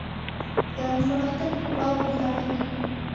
Яңғыратып Урал буйҙарын.